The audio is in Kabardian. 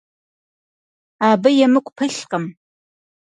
Абы емыкӀу пылъкъым.